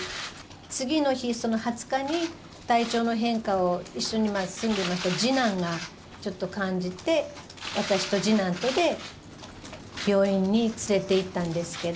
次の日、２０日に、体調の変化を、一緒に住んでました次男がちょっと感じて、私と次男とで病院に連れていったんですけど。